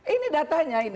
ini datanya ini